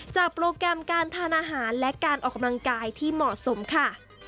โปรแกรมการทานอาหารและการออกกำลังกายที่เหมาะสมค่ะ